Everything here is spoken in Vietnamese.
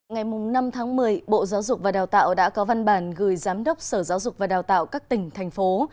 ngày năm tháng một mươi bộ giáo dục và đào tạo đã có văn bản gửi giám đốc sở giáo dục và đào tạo các tỉnh thành phố